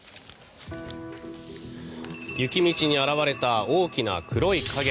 雪道に現れた大きな黒い影。